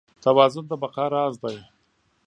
توازن د بقا راز دی.